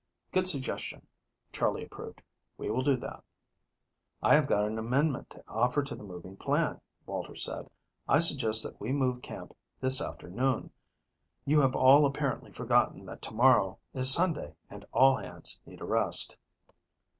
"Good suggestion," Charley approved. "We will do that." "I have got an amendment to offer to the moving plan," Walter said. "I suggest that we move camp this afternoon. You have all apparently forgotten that to morrow is Sunday, and all hands need a rest."